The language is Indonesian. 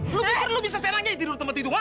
lu bukan lu bisa senangnya tidur tempat hidung ah